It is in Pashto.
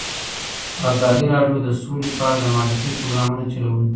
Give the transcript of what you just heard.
ازادي راډیو د سوله په اړه د معارفې پروګرامونه چلولي.